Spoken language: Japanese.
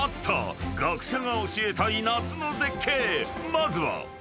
［まずは］